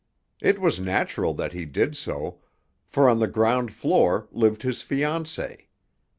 It was natural that he did so, for on the ground floor lived his fiancée.